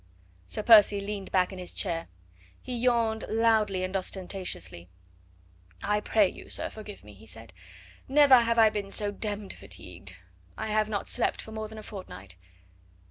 Sir Percy leaned back in his chair. He yawned loudly and ostentatiously. "I pray you, sir, forgive me," he said. "Never have I been so d d fatigued. I have not slept for more than a fortnight."